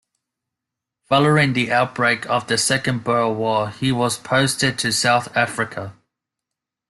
Following the outbreak of the Second Boer War he was posted to South Africa.